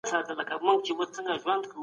په قرآن کي د ملکيت حق ثابت سوی دی.